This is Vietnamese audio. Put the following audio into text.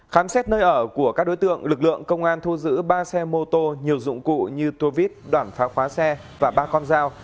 khám xét nơi ở của các đối tượng lực lượng công an thu giữ ba xe mô tô nhiều dụng cụ như tô vít đoạn phá khóa xe và ba con dao